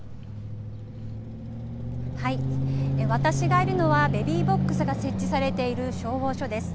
私がいるのは、ベビーボックスが設置されている消防署です。